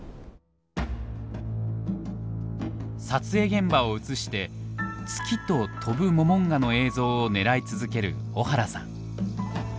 撮影現場を移して月と飛ぶモモンガの映像を狙い続ける小原さん。